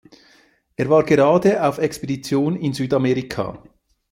Er war gerade auf Expedition in Südamerika.